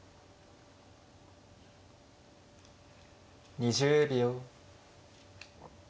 ２０秒。